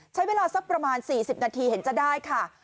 ใช้เวลาสักประมาณ๔๐นาทีเห็นจะได้ค่ะ